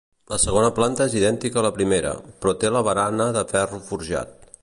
La segona planta és idèntica a la primera, però té la barana de ferro forjat.